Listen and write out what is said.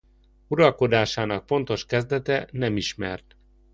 Uralkodásának pontos kezdete nem ismert.